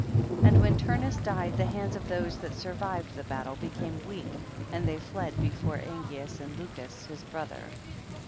23. And when Turnus died, the hands of those that survived the battle became weak, and they fled from before Angeas and Lucus his brother.